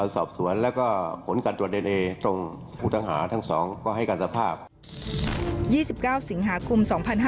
๒๙สิงหาคม๒๕๖๒